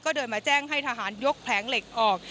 ก็เดินมาแจ้งให้ทหารยกแผงเหล็กออก